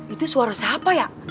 itu suara siapa ya